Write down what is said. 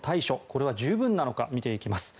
これは十分なのか見ていきます。